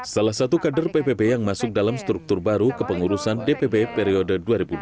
salah satu kader ppp yang masuk dalam struktur baru ke pengurusan dpp periode dua ribu dua puluh dua ribu dua puluh lima